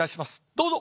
どうぞ。